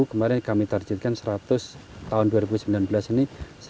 kemarin kami tarjetkan seratus tahun dua ribu sembilan belas ini satu ratus lima puluh